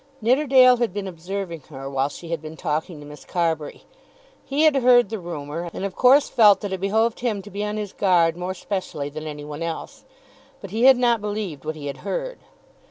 Nidderdale had been observing her while she had been talking to Miss Carbury. He had heard the rumour, and of course felt that it behoved him to be on his guard more specially than any one else. But he had not believed what he had heard.